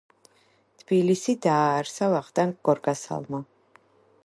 თბილისი დააარსა ვახტანგ გორგასალმა.